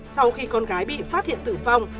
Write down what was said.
sau khi con gái bị phát hiện tử vong